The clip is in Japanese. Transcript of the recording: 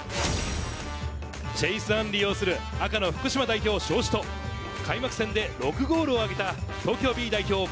チェイス・アンリ擁する赤の福島代表・尚志と開幕戦で６ゴールを挙げた東京Ｂ代表